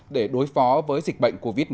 để đối phó với dịch bệnh covid một mươi chín